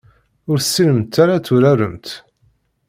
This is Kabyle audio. Ur tessinemt ara ad turaremt.